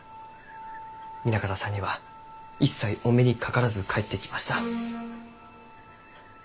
南方さんには一切お目にかからず帰ってきました。